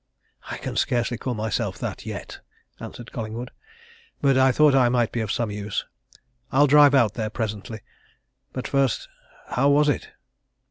"I can scarcely call myself that yet," answered Collingwood. "But I thought I might be of some use. I'll drive out there presently. But first how was it?"